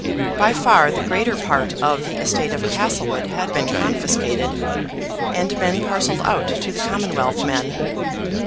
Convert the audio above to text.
By far the greater part of the estate of Castlewood had been confiscated, and been parcelled out to Commonwealthmen.